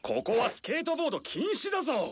ここはスケートボード禁止だぞ。